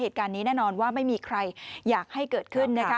เหตุการณ์นี้แน่นอนว่าไม่มีใครอยากให้เกิดขึ้นนะคะ